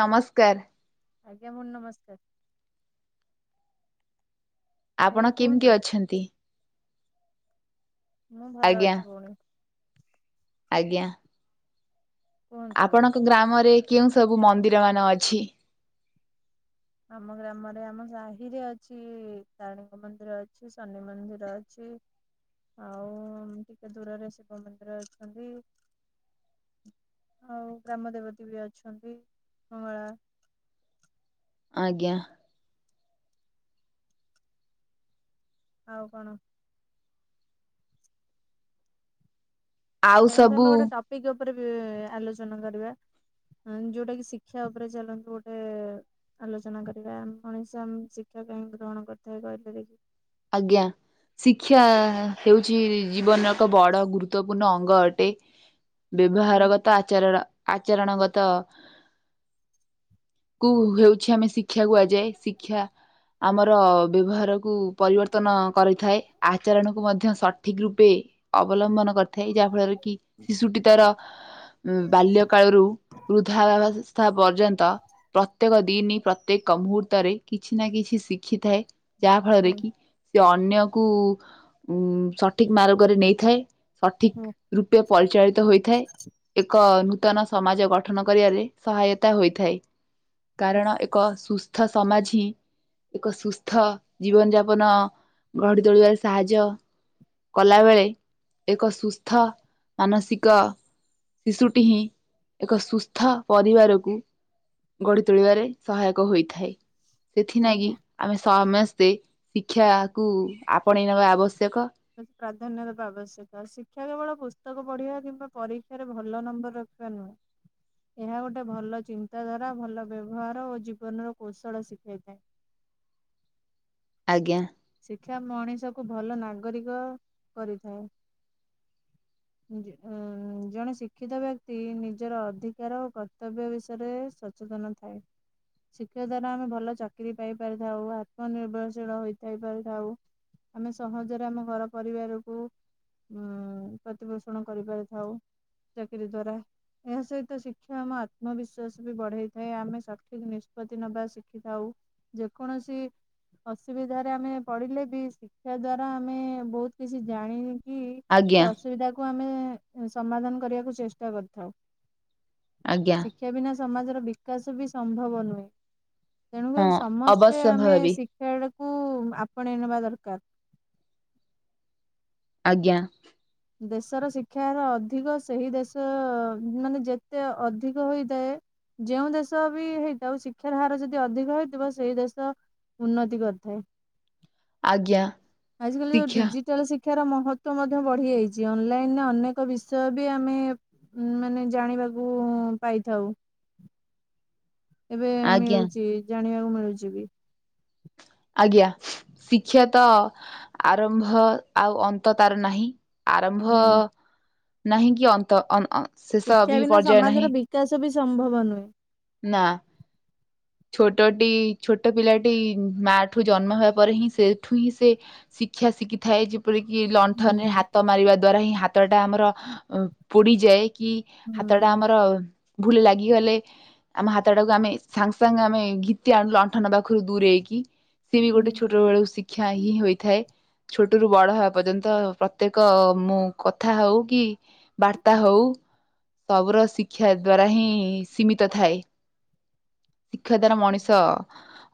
ନମସ୍କାର। ଆଜ୍ଞା [unintelligible] ନମସ୍କାର। ଭଉଣୀ ଆପଣ କୁହନ୍ତୁ କିମିତି ଅଛନ୍ତି? ମୁଁ ଭଲ ଆଜ୍ଞା ଅଛି ଭଉଣୀ। ଆଜ୍ଞା। କୁହନ୍ତୁ ଏବେ। ଆପଣଙ୍କ ଗ୍ରାମରେ କେଉଁ ସବୁ ମନ୍ଦିର ମାନ ଅଛି? ଆମ ଗ୍ରାମରେ ଆମ ସାହିରେ ଅଛି ତାରିଣୀଙ୍କ ମନ୍ଦିର ଅଛି। ଶନି ମନ୍ଦିର ହୁଁ। ଅଛି। ଆଉ ଟିକେ ଦୂରରେ ଶିବ ମନ୍ଦିର ଅଛନ୍ତି। ଆଉ ଗ୍ରାମ ଦେବତୀ ବି ଅଛନ୍ତି, ମଙ୍ଗଳା। ଆଜ୍ଞା। ଆଉ କଣ? ଆଉ ଚାଲନ୍ତୁ ଆମେ ସବୁ ଗୋଟେ ଟପିକ ଉପରେ ବି ଆଲୋଚନା କରିବା। ଆ ଯୋଉଟା କି ଶିକ୍ଷା ଉପରେ ଚାଲନ୍ତୁ ଗୋଟେ ଆଲୋଚନା କରିବା ମଣିଷ ଆମ ଶିକ୍ଷା କାଇଁ ଗ୍ରହଣ କରିଥାଏ କହିଲେ ଦେଖି? ଆଜ୍ଞା। ଶିକ୍ଷା ହେଉଛି ଜୀବନର ଏକ ବଡ ଗୁରୁତ୍ୱପୂର୍ଣ୍ଣ ଅଙ୍ଗ ଅଟେ। ବ୍ୟବହାରଗତ ଆଚାରର ଆ ଆଚରଣ ଗତ କୁ ହେଉଛି ଆମେ ଶିକ୍ଷା କୁହାଯାଏ। ସି ଶିକ୍ଷା ଆମର ବ୍ୟବହାରକୁ ପରିବର୍ତ୍ତନ କରିଥାଏ। ଆଚରଣକୁ ମଧ୍ୟ ସଠ ଠିକ ରୂପେ ଅବଲମ୍ବନ କରି ଥାଏ ଯାହା ଫଳରେ କି ଶିଶୁଟି ତାର ବାଲ୍ୟ କାଳରୁ ହୁଁ। ବୃଧାବା ପର୍ଯ୍ୟନ୍ତ ପ୍ରତ୍ୟେକ ଦିନ ପ୍ରତ୍ୟେକ ମୁହୂର୍ତ୍ତରେ କିଛି ନା କିଛି ଶିଖିଥାଏ। ଯାହା ଫଳରେ ହୁଁ କି ସେ ଅନ୍ୟକୁ ଉ ସଠିକ ମାର୍ଗରେ ନେଇଥାଏ। ହୁଁ ସଠିକ ରୂପେ ପରିଚାଳିତ ହୋଇଥାଏ। ଏକ ନୂ ନୂତନ ସମାଜ ଗଠନ କରିବାରେ ସହାୟତା ହୋଇଥାଏ ହୁଁ କାରଣ ଏକ ସୁସ୍ଥ ସମାଜ ହିଁ ଏକ ସୁସ୍ଥ ଜୀବନ ଯାପ ପନ ଗଡି ତୋଳିବାର ସାହାଯ୍ୟ କଲା ବେଳେ ଏକ ସୁସ୍ଥ ମାନସିକ ଶିଶୁଟି ହିଁ ଏକ ସୁସ୍ଥ ପରିବାରକୁ ଗଢି ତୋଳିବାରେ ସହାୟକ ହୋଇଥାଏ। ସେଥିନାଗି ଆଜ୍ଞା। ଆମେ ସମସ୍ତେ ଶିକ୍ଷା କୁ ଆପଣେଇ ନେବା ଆବଶ୍ୟକ। ପ୍ରାଧାନ୍ୟ ଦେବା ଆବଶ୍ୟକ ଶିକ୍ଷା କେବଳ ପୁସ୍ତକ ପଢିବା କିମ୍ବା ପରୀକ୍ଷାରେ ଭଲ ନମ୍ବର ରଖିବା ନା ହଁ। ଏହା ଗୋଟେ ଭଲ ଚିନ୍ତାଧାରା, ଭଲ ବ୍ୟବହାର ଓ ଜୀବନର କୌଶଳ ଶିଖାଇଥାଏ। ଆଜ୍ଞା। ଶିକ୍ଷା ମଣିଷ କୁ ଭଲ ନାଗରିକ କରିଥାଏ। [inaudible] ଉ ଜଣେ ଶିକ୍ଷିତ ବ୍ୟକ୍ତି ନିଜର ଅଧିକାର ଓ କର୍ତ୍ତବ୍ୟ ବିଷୟରେ ସ ସଚେତନ ଥାଏ। ଶିକ୍ଷା ଦ୍ଵାରା ଆମେ ଭଲ ଚାକିରି ପାଇପାରିଥାଉ ଓ ଆତ୍ମନିର୍ଭରଶୀଳ ହୋଇ ଯାଇପାରଥାଉ ଆମେ ସହଜରେ ଆମ ଘର ପରିବାରକୁ ଉଁ ପ୍ରତିପୋଷଣ କରିପାରିଥାଉ ଚାକିରି ଦ୍ଵାରା। ଏହା ସହିତ ଶିକ୍ଷା ଆମ ଆତ୍ମବିସ୍ଵାସ ବି ବଢେଇଥାଏ ଆମେ ସଠିକ ନିଷ୍ପତ୍ତି ନବା ଶିଖିଥାଉ। ଯେକୌଣସି ଅସୁବିଧା ରେ ଆମେ ପଢିଲେ ବି ଶିକ୍ଷା ଦ୍ଵାରା ଆମେ ବହୁତ କିଛି ଜାଣି କି ସେ ଆଜ୍ଞା ଅସୁବିଧା କୁ ଆମେ ସମାଧାନ କରିବାକୁ ଚେଷ୍ଟା କରିଥାଉ। ଆଜ୍ଞା ଶିକ୍ଷା ବିନା ସମାଜର ବିକାଶ ବି ସମ୍ଭବ ନୁହେଁ। ହଁ ତେଣୁକରି ସମସ୍ତେ ଅବଶ୍ୟ ଆମେ ଭାବି ଶିକ୍ଷା ଗୁଡା କୁ ଆପଣେଇ ନବା ଦରକାର। ଆଜ୍ଞା। ଦେଶର ଶିକ୍ଷା ର ଅଧିକ ସେହି ଦେଶ ମାନେ ଯେତେ ଅଧିକ ହୋଇଥାଏ। ଯେଉଁ ଦେଶ ବି ହେଇଥାଉ ଶିକ୍ଷାର ହାର ଯଦି ଅଧିକ ହେଇଥିବ ସେଇ ଦେଶ ଉନ୍ନତି କରିଥାଏ। ଆଜ୍ଞା। ଆଜି କାଲି ଯଉ ଶିକ୍ଷା ଡିଜିଟାଲ ଶି ଶିକ୍ଷାର ମହତ୍ୱ ମଧ୍ୟ ବଢି ଯାଇଛି ଅନଲାଇନରେ ଅନେକ ବିଷୟ ବି ଆମେ ଉ ମାନେ ଜାଣିବାକୁ ପାଇଥାଉ। ଏବେ ଆଜ୍ଞା ମିଳୁଛି ଜାଣିବାକୁ ମିଳୁଛି ବି। ଆଜ୍ଞା, ଶିକ୍ଷା ତ ଆରମ୍ଭ ଆଉ ଅନ୍ତ ତାର ନାହିଁ। ଆରମ୍ଭ ନାଇଁ ନାହିଁ କି ଅନ୍ତ ଅ ଅ ଶେଷ ଶିକ୍ଷା ବି ବିନା ପର୍ଯୟ ସମାଜର ନାହିଁ ବିକାଶ ବି ସମ୍ଭବ ନୁହେଁ। ନା। ଛୋଟଟି ଛୋଟ ପିଲାଟି ମା ଠୁ ଜନ୍ମ ହେବା ପରେ ହିଁ ସେଠୁ ହିଁ ସେ ସି ଶିକ୍ଷା ଶିକିଥାଏ ଯି ଯେପରିକି ଲଣ୍ଠନରେ ହୁଁ ହାତ ମାରିବା ଦ୍ବାରା ହିଁ ହାତଟା ଆମର ଉଁ ପୋଡ଼ିଯାଏ। କି ହାତଟା ହୁଁ ଆମର ଭୁଲରେ ଲାଗିଗଲେ ଆମ ହାତଟାକୁ ଆମେ ସାଙ୍ଗ ସାଙ୍ଗ ଆମେ ଘିତି ଆଣୁ ଲଣ୍ଠାନ ପାଖୁରୁ ଦୂରେଇକି। ସିଏ ବି ଗୋଟେ ହୁଁ ଛୋଟୋ ବୋଳୁ ଶିକ୍ଷା ହିଁ ହୋଇଥାଏ। ଛୋଟୋରୁୁ ବଡ ହେବା ପର୍ଯ୍ୟନ୍ତ ପ୍ରତ୍ୟେକ ମୁଁ କଥା ହୋଉ କି ବାର୍ତ୍ତା ହୋଉ। ସବୁର ଶିକ୍ଷା ଦ୍ଵାରା ହିଁ ସୀମିତ ଥାଏ। ଶିକ୍ଷା ଦ୍ଵାରା ମଣିଷ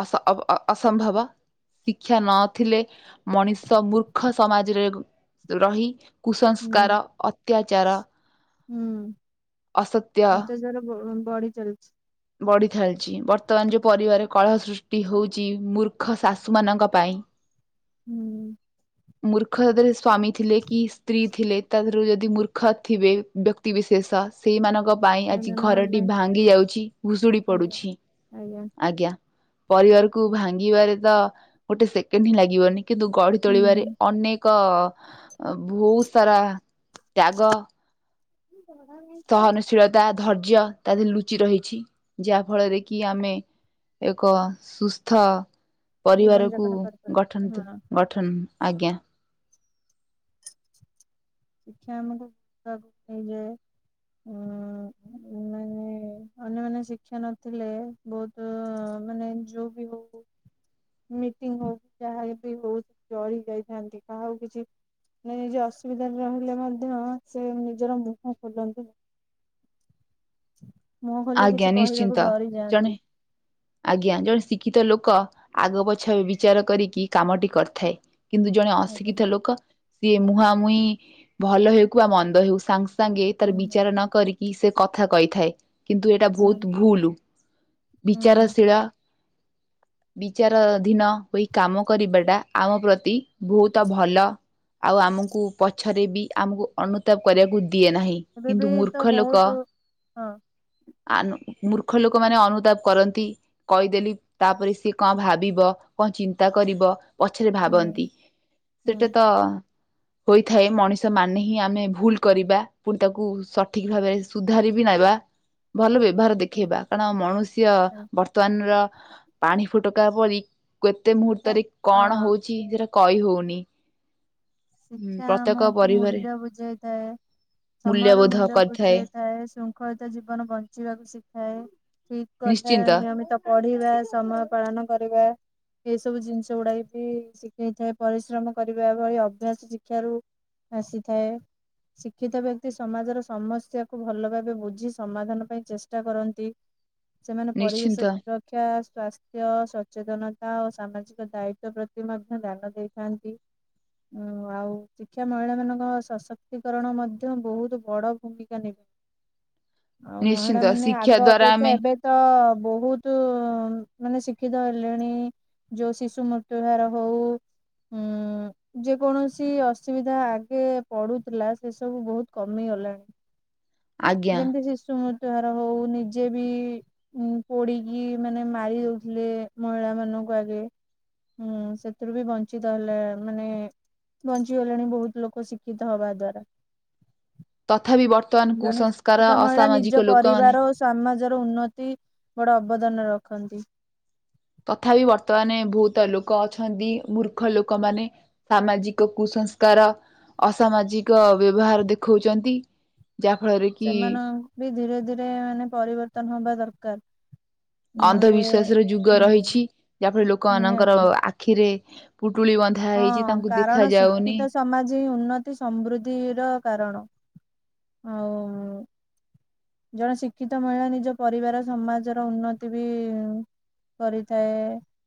ଅସ ଅବ ଅ ଅସମ୍ଭବ। ଶିକ୍ଷା ନଥିଲେ ମଣିଷ ମୂର୍ଖ ସମାଜରେ ରହି। କୁସଂସ୍କାର ଅତ୍ୟାଚାର ହୁଁ ଅସତ୍ୟ ଅତ୍ୟାଚାର ବ ବଢ଼ି ଚାଲଛି। ବଢିଥାଲଚି ବର୍ତ୍ତମାନ ଯୋଉ ପରିବାରେ କଳହ ସୃଷ୍ଟି ହୋଉଚି ମୂର୍ଖ ଶାଶୁ ମାନଙ୍କ ପାଇଁ। ହୁଁ। ମୂର୍ଖ ସେଥିରେ ସ୍ଵାମୀ ଥିଲେ କି ସ୍ତ୍ରୀ ଥିଲେ ତାଦେହରୁ ଯଦି ମୂର୍ଖ ଥିବେ ବ୍ୟକ୍ତ ବିଶେଷ ସେଇମାନଙ୍କ ପାଇଁ ଆଜି ଝିଅମାନଙ୍କ ଘରଟି ପାଇଁ ଭାଙ୍ଗି ଯାଉଛି ଭୁଷୁଡି ଆଜ୍ଞା ପଡୁଛି ଆଜ୍ଞା। ପରିବାର କୁ ଭାଙ୍ଗିବାରେ ତ ଗୋଟେ ସେକେଣ୍ଡ ହିଁ ଲାଗିବନି। କିନ୍ତୁ ଗଢ଼ି ହୁଁ ହୁଁ। ତୋଳିବାରେ ଅନେକ କ ଅଁ ଭୋହୁତ ସାରା ତ୍ୟାଗ [inaudible] ସହନଶୀଳତା ଧୈର୍ଯ୍ୟ ତା ଦେହରେ ଲୁଚି ରହିଛି ଯାହା ଫଳରେ କି ଆମେ ଏକ ସୁସ୍ଥ ଜୀବନ ପରିବାରକୁ ଯାପନ କରିପାରୁ ଗଠନ ତ ହଁ ଗଠନ ଆଜ୍ଞା। ଶିକ୍ଷା ଆମକୁ [unintelligible] ନେଇଯାଏ। ଉଁ ମାନେ ଅନ୍ୟ ମାନେ ଶିକ୍ଷା ନଥିଲେ ବୋହୁତୁ ମାନେ ଯୋଉ ବି ହୋଉ। ମିଟିଙ୍ଗି ହୋଉ ଯାହା ବି ହୋଉ [unintelligible] ଯାଇଥାନ୍ତି କାହାକୁ କିଛି ମାନେ ଯିଏ ଅସୁବିଧାରେ ରହିଲେ ମଧ୍ୟ ସେ ନିଜର ମୁହଁ ଖୋଲନ୍ତିନି। ମୁହଁ ଖୋଲି ଆଜ୍ଞା କିଛି ନିଶ୍ଚିନ୍ତ କହିବାକୁ ଜଣେ ଡରିଯାଆନ୍ତି। ଆଜ୍ଞା ଜଣେ ଶିକ୍ଷିତ ଲୋକ ଆଗ ପଛ ବିଚାର କରିକି କାମଟି କରିଥାଏ। କିନ୍ତୁ ଜଣେ ଆଜ୍ଞା ଅଶିକ୍ଷିତ ଲୋକ ସିଏ ମୁହାଁମୁହିଁ ଭଲ ହେଉ କୁବା ମନ୍ଦ ହେଉ ସାଙ୍ଗ ସାଙ୍ଗେ ହୁଁ ତାର ବିଚାର ନ କରିକି ସେ କଥା କଇଥାଏ। କିନ୍ତୁ ଏଟା ହୁଁ ବୋହୁତ ଭୁଲୁ ବି ହୁଁ ହୁଁ [unintelligible] ବିଚାରଧୀନ ହୋଇ କାମ କରିବାଟା ଆମ ପ୍ରତି ବୋହୁତ ଭଲ। ଆଉ ଆମୁକୁ ପଛରେ ବି ଆମକୁ ଅନୁତାପ କରିବାକୁ ଦିଏ ନାହିଁ ଏବେ କିନ୍ତୁ ବି ମୂର୍ଖ ତ ଲୋକ ବହୁତ ହଁ ଆନୁ ମୂର୍ଖ ଲୋକୋ ମାନେ ଅନୁତାପ କର ନ୍ତି କହିଦେଲି ତାପରେ ସିଏ କଁ ଭାବିବ କଁ ଚିନ୍ତା କରିବ। ପଛରେ ହୁଁ ଭାବନ୍ତି ହୁଁ। ସେଟା ତ ହୋଇଥାଏ ମଣିଷ ମାନେ ହିଁ ଆମେ ଭୁଲ କରିବା ପୁଣି ତାକୁ ସଠିକ ଭାବରେ ସୁଧାରିବିି ନାଇବା। ଭଲ ବ୍ୟବହାର ଦେଖେଇବା କାରଣ ମଣୁଷ୍ୟ ଆଚ୍ଛା ଅନର୍ ପାଣି ଫୋଟୋକା ପରି କ୍ୟତେ ଶିକ୍ଷା ମୁହୂର୍ତ୍ତରେ ହଁ କଣ ହୋଉଛି ସେଟା କଇହୋଉନି। ଶିକ୍ଷା ଆମକୁ ମୂଲ୍ୟ ବୁଝାଇଥାଏ। ସମୟର ମୂଲ୍ୟବୋଧ ମୂଲ୍ୟ କରିଥାଏ ବୁଝେଇଥାଏ। ଶୃଙ୍ଖଳିତ ଜୀବନ ବଞ୍ଚିବାକୁ ଶିଖାଏ। ଠିକ କ ତଥା ନିଶ୍ଚିନ୍ତ ନିୟମିତ ପଢିବା ସମୟ ପାଳନ କରିବା। ଏଇ ସବୁ ଜିନିଷ ଗୁଡା ବି ଶିଖେଇଥାଏ ପରିଶ୍ରମ କରିବା ଭଳି ଅ ଅଭ୍ୟାସ ଶିକ୍ଷାରୁ ଆସିଥାଏ। ଶିକ୍ଷିତ ବ୍ୟକ୍ତି ସମାଜର ସମସ୍ୟାକୁ ଭଲ ଭାବେ ବୁଝି ସମାଧାନ ପାଇଁ ଚେଷ୍ଟା କରନ୍ତି। ସେମାନେ ନିଶ୍ଚିନ୍ତ ପରିବେଶ ସୁରକ୍ଷା ସ୍ୱାସ୍ଥ୍ୟ ସ ସଚେତନତା ଓ ସାମାଜିକ ଦାୟିତ୍ୱ ପ୍ରତି ମଧ୍ୟ ଧ୍ୟାନ ଦେଇଥାନ୍ତି। ଓ ଆଉ ଶିକ୍ଷା ମହିଳା ମାନଙ୍କ ସଶକ୍ତିକରଣ ମଧ୍ୟ ବହୁତ ବଡ ଭୂମିକା ନେବେ। ହ ଆଉ ମହିଳା ମାନେ ଆଗ ଅପେକ୍ଷା ଏବେ ତ ଅ ବହୁତୁ ଉ ମାନେ ଶିକ୍ଷିତ ହେଲେଣି। ଯୋଉ ଶିଶୁ ମୃତ୍ୟୁହାର ହଉ ଉଁ। ଯେ କୌଣସି ଅସୁବିଧା ଆଗେ ପଡୁଥିଲା ସେ ସବୁ ବହୁତ କମିଗଲାଣି। ଆଜ୍ଞା ଯେମିତି ଶିଶୁମୂର ର ହଉ ନିଜେ ବି ପୋଡିକି ମାନେ ମାରି ଦଉଥିଲେ ମହିଳା ମାନ ଗୁ ଆଗେ ହୁଁ ସେଥିରୁ ବି ବଞ୍ଚିତ ହେଲେ ମାନେ ବଞ୍ଚିଗଲେଣି ବହୁତ ଲୋକ ଶିକ୍ଷିତ ହବା ଦ୍ଵାରା। ତଥାପି ବର୍ତ୍ତମାନ କୁସଂସ୍ ସେତ ମହିଳା ନିଜ ପରିବାର ଓ ସ୍ୱାମୀ। ସମାଜର ଉନ୍ନତି ବଡ ଅବଦାନ ରଖନ୍ତି। ତଥାପି ବର୍ତ୍ତମାନେ ବହୁତ ଲୋକ ଅଛନ୍ତି ମୂର୍ଖ ଲୋକ ମାନେ ସାମାଜିକ କୁସ ସଂସ୍କାର ଅସାମାଜିକ ବ୍ୟବହାର ଦେଖଉଛନ୍ତି। ଯା ଫଳରେ କି ଜଉଟାକି ମାନେ ପରିବର୍ତ୍ତନ ହବା ଦରକାର। ନହେଲେ ଅନ୍ଧବିଶ୍ଵାସ ର ଯୁଗ ହୁଁ ରହିଛି ଯାହାଫଳରେ ଲୋକମାନାନଙ୍କର ନିହାତି ଆଖିରେ ପୁଟୁଳି ବନ୍ଧା ହେଇଛି ହଁ ତାଙ୍କୁ ଦେଖା କାରଣ ଯାଉନି ଶିକ୍ଷିତ ସମାଜ ହିଁ ଉନ୍ନତି ସମୃଦ୍ଧିର କାରଣ। ହଉଉ ଜଣେ ଶିକ୍ଷିତ ମହିଳା ନିଜ ପରିବାର ସମାଜର ଉନ୍ନତି ବି କରିଥାଏ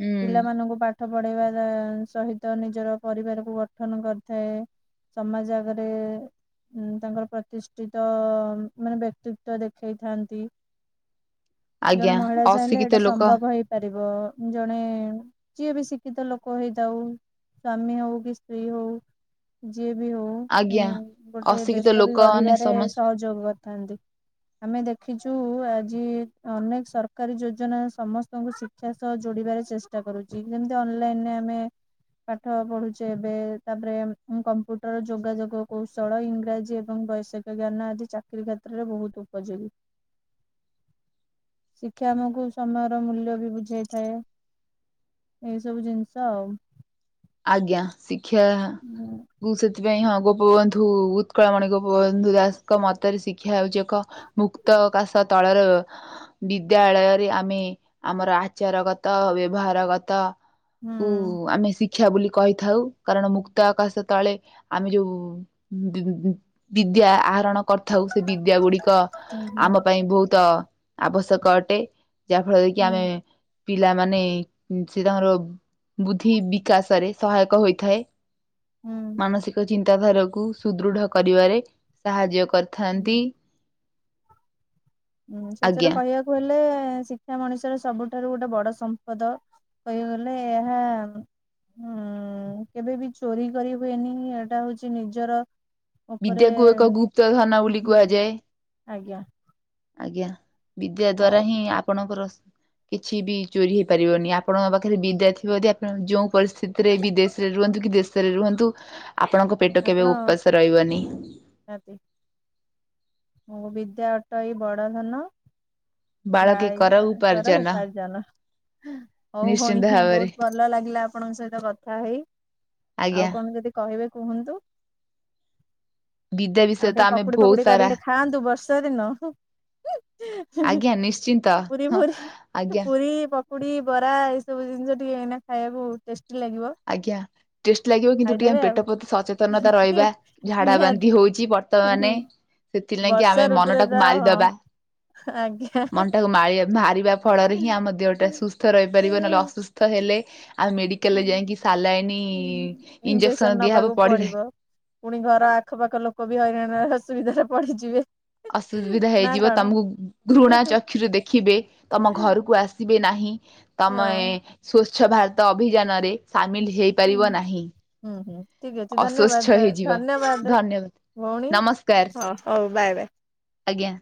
ହୁଁ ପିଲାମାନଙ୍କୁ ପାଠ ପଢେଇବା ସହିତ ନିଜର ପରିବାରକୁ ଗଠନ କରିଥାଏ। ସମାଜ ଆଗରେ ତାଙ୍କର ପ୍ରତିଷ୍ଠିତ ମାନେ ବ୍ୟକ୍ତିତ ତ ଦେଖେଇଥାନ୍ତି। ଜଣେ ଆଜ୍ଞା ମହିଳା ଚାହିଁଲେ ଅଶିକ୍ଷିତ ଏଇଟା ଲୋକ ସମ୍ଭବ ହେଇପାରିବ ଜଣେ ଯିଏ ବି ଶିକ୍ଷିତ ଲୋକ ହେଇଥାାଉ ସ୍ଵାମୀ ହଉ କି ସ୍ତ୍ରୀ ହଉ ଯିଏ ବି ଆଜ୍ଞା ହଉଁ ଗୋଟେ ଅଶିକ୍ଷିତ ଦେଶ ବି ଲୋକମାନେ ଗଢିବାରେ ସମସ୍ତ ସହଯୋଗ କରିଥାନ୍ତି। ଆମେ ଦେଖିଚୁ ଆଜି ଅନେକ ସରକାରୀ ଯୋଜନା ସମସ୍ତଙ୍କୁ ଶିକ୍ଷା ସହ ଯୋଡିବାରେ ଚେଷ୍ଟା କରୁଚି ଯେମିତି ଅନଲାଇନରେ ଆମେ ପାଠ ପଢୁଛେ ଏବେ ତାପରେ କମ୍ପ୍ୟୁଟର ଯୋଗାଯୋଗ କୌଶଳ ଇଂରାଜୀ ଏବଂ ବୈଷୟିକ ଜ୍ଞାନ ଆଦି ଚାକିରୀ କ୍ଷେତ୍ରରେ ବହୁତ ଉପଯୋଗୀ ଶିକ୍ଷା ଆମକୁ ସମୟର ମୂଲ୍ୟ ବି ବୁଝେଇଥାଏ। ଏଇ ସବୁ ଜିନିଷ ଆଉ ଆଜ୍ଞା ଶିକ୍ଷା ହୁଁ ମୁଁ ସେଥିପାଇଁ ହଁ ଗୋପବନ୍ଧୁ ଉତ୍କଳମଣି ଗୋପବନ୍ଧୁ ଦାସଙ୍କ ମତରେ ଶିକ୍ଷା ହଉଛି ଏକ ମୁକ୍ତ କାଶ ତଳର ବିଦ୍ୟାଳୟରେ ଆମେ ଆମର ଆଚାର ଗତ ବ୍ୟବହାର ଗତ ହୁଁ। ଶିକ୍ଷା ବୋଲି କହିଥାଉ କାରଣ ମୁକ୍ତ ଆକାଶ ତଳେ ଆମେ ଯୋଉ ଦିଆ ଆରଣ। କରିଥାଉ ସେ ବିଦ୍ୟା ଗୁଡିକ ହୁଁ ଆମ ପାଇଁ ବହୁତ ଆବଶ୍ୟକ ଅଟେ। ଯାହା ଫଳରେ କିି ହୁଁ ଆମେ ପିଲାମାନେ ସେ ତାଙ୍କର ବୁଦ୍ଧି ବି ଚାଷରେ ସହାୟକ ହୋଇଥାଏ ହୁଁ ମାନସିକ ଚି ଚିତାଧାରକୁ ସୁଦୃଢ କରିବାରେ ସାହାଯ୍ୟ କରିଥାନ୍ତି। ହୁଁ। ହୁଁ ଶେସେରେ ଆଜ୍ଞା କହିବାକୁ ହେଲେ। ଶିକ୍ଷା ମଣିଷର ସବୁଠାରୁ ଗୋଟେ ବଡ ସମ୍ପଦ କହିବାକୁ ଗଲେ ଏହା ହୁଁ କେବେ ବି ଚୋରି କରି ହୁଏନି ଏଟା ହଉଛି ନିଜର ଉପରେ ବିଦ୍ୟାକୁ ଏକ ଗୁପ୍ତ ଧାନ ବୋଲି ହୁଁ କୁହାଯାଏ। ଆଜ୍ଞା। ଆଜ୍ଞା ବିଦ୍ୟା ଦ୍ଵାରା ହଉ ହିଁ ଆପଣଙ୍କର। କିଛି ବି ଚୋରି ହେଇ ପାରିବନି ଆପଣଙ୍କ ପାଖରେ ବିଦ୍ୟା ଥିବ ଯଦି ଆପଣ ଯେଉଁ ପରିସ୍ଥିତିରେ ବିଦେଶରେ। ରୁହନ୍ତୁ କି ଦେଶରେ ରୁହନ୍ତୁ। ଆପଣଙ୍କ ପେଟ କେବେ ଆପଣ ଉପାସ ରହିବନି। ନିହାତି ମୁଁ ବିଦ୍ୟା ଅଟ ଏଇ ବଡ ଧନ। ବାଳକେ କର ବାଳିକା କର ଉପ ଉପାର୍ଜନ ଉପାର୍ଜନ। ହଉ ନିଶ୍ଚିନ୍ତ ଭଉଣୀ ଭାବରେ ବହୁତ ଭଲ ଲାଗିଲା ଆପଣଙ୍କ ସହିତ କଥା ହେଇ। ଆଜ୍ଞା ଆଉ କଣ ଯଦି କହିବେ କୁହନ୍ତୁ। ବିଦ୍ୟା ଆଉ ବିଷୟ ତ ଟିକେ ଆମେ ପକୁଡି ବହୁତ ଫକୁଡି ସାରା କରିକି ଖାଆନ୍ତୁ ବର୍ଷା ଦିନ। ଆଜ୍ଞା ନିଶ୍ଚିନ୍ତ ପୁରୀ ହଁ ଫୁରୀ ଆଜ୍ଞା ପୁରୀ ପକ୍ କୁଡ଼ି ବରା ଏ ସବୁ ଜିନିଷ ଟିକେ ଏଇନା ଖାଇବାକୁ ଟେଷ୍ଟି। ଲାଗିବ। ଆଜ୍ଞା ଟେଷ୍ଟି ଲାଗିବ କିନ୍ତୁ ଟିକେ ଖାଇଦେବେ ଆମେ ଆଉ ପେଟ ପ୍ରତି। ସଚେତନତା ରହିବା ଝାଡା ବାନ୍ତି ନିହାତି ହଉଛି ବର୍ତ୍ତମାନେ। ସେଥିଲାଗି ଆମେ ମନଟାକୁ ମାରିଦେବା। ହେଁ ଆଜ୍ଞା ହାଁ ହାଁ। ମାରିବା ଫଳରେ ହିଁ ଆମ ଦେହଟା ସୁସ୍ଥ ରହିପାରିବ ନହେଲେ ଅସୁସ୍ଥ ହେଲେ ଆମେ ମେଡ଼ିକାଲରେ ଯାଇକି। ସିଲାଇନି ଇଞ୍ଜେକ୍ସନ ଦିଆହବ ନବାକୁ ପଡିଲେ। ପଡିବ। ପୁଣି ଘର ଆଖ ପାାଖ ଲୋକ ବି ହଇରାଣରେ ଅସୁବିଧାରେ ପଡିଯିବେ। ଅସୁବିଧା ନା ହେଇଯିବ କଣ? ତମକୁ ଘୃଣା ଚକ୍ଷୁରେ ଦେଖିବେ ତମ ଘରକୁ ଆସିବେ ନାହିଁ। ତମେ ହଁ ସ୍ଵଚ୍ଛ ଭାରତ ଅଭିଯାନରେ ସାମିଲ ହେଇପାରିବ ହୁଁ ନାହିଁ। ହୁଁ ଠିକ ଅଛି ଅସ୍ଵଚ୍ଛ ଧନ୍ୟବାଦ ହେଇଯିବ ଧନ୍ୟବାଦ ଧନ୍ୟବାଦ ଭଉଣୀ ନମସ୍କାର ହଁ ହଉ ବାଏ ବାଏ। ଆଜ୍ଞା